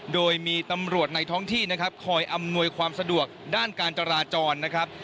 โดยมีตำรวจในท้องที่นะครับคอยอำนวยความสะดวกด้านการจราจรนะครับ